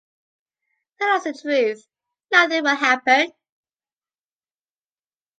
Tell us the truth, nothing will happen.